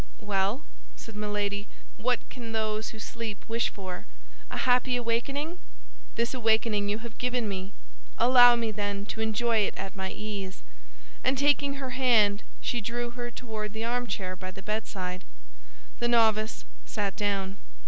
"Well," said Milady, "what can those who sleep wish for—a happy awakening? This awakening you have given me; allow me, then, to enjoy it at my ease," and taking her hand, she drew her toward the armchair by the bedside. The novice sat down.